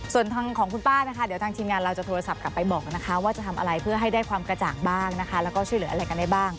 ส่วนทางของคุณป้านะคะเดี๋ยวทางทีมงานเราจะโทรศัพท์กลับไปบอกนะคะว่าจะทำอะไรเพื่อให้ได้ความกระจ่างบ้างนะคะแล้วก็ช่วยเหลืออะไรกันได้บ้าง